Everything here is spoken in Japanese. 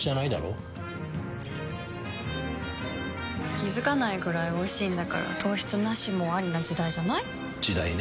気付かないくらいおいしいんだから糖質ナシもアリな時代じゃない？時代ね。